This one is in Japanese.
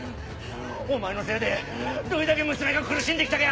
お前のせいでどれだけ娘が苦しんで来たか！